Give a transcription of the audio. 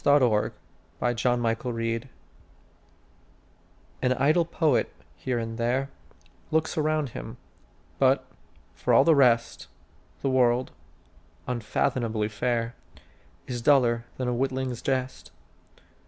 Coventry Patmore The Revelation AN idle poet, here and there, Looks round him, but, for all the rest, The world, unfathomably fair, Is duller than a witling's jest.